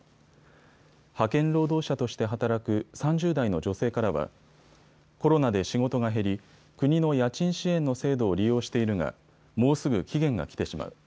派遣労働者として働く３０代の女性からはコロナで仕事が減り国の家賃支援の制度を利用しているがもうすぐ期限が来てしまう。